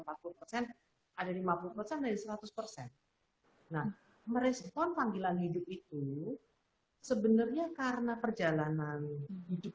nah merespon panggilan hidup itu sebenarnya karena perjalanan hidup